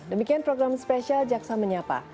demikian program spesial jaksa menyapa